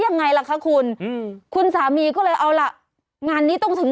ยังไงล่ะคะคุณอืมคุณคุณสามีก็เลยเอาล่ะงานนี้ต้องถึง